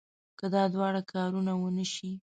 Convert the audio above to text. که دا دواړه کارونه ونه شي.